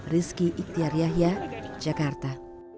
rizky iktiar yahya jakarta